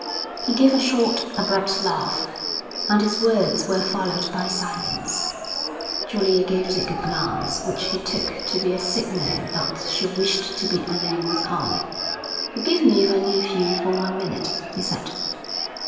He gave a short, abrupt laugh, and his words were followed by silence. Julia gave Dick a glance which he took to be a signal that she wished to be alone with Alec. 'Forgive me if I leave you for one minute,' he said.